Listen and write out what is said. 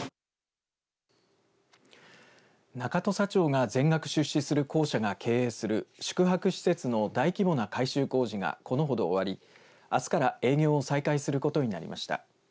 中土佐町が全額出資する公社が経営する宿泊施設の大規模な改修工事がこのほど終わりあすから営業を再開することになりました。